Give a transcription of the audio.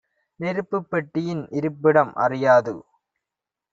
நெருப்புப் பெட்டியின் இருப்பிடம் அறியாது